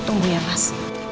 tunggu ya mas